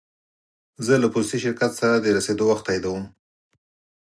زه له پوستي شرکت سره د رسېدو وخت تاییدوم.